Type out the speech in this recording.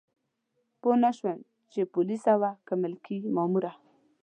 پوه نه شوم چې پولیسه وه که ملکي ماموره.